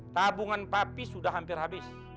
tabungan papi sudah hampir habis